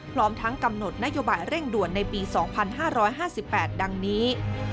พร้อมทั้งกำหนดนโยบายเร่งด่วนในปี๒๕๕๘ดังนี้